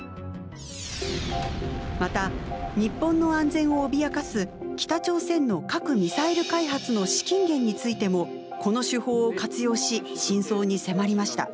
また日本の安全を脅かす北朝鮮の核・ミサイル開発の資金源についてもこの手法を活用し真相に迫りました。